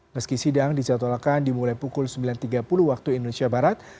meski sidang dijadwalkan dimulai pukul sembilan tiga puluh waktu indonesia barat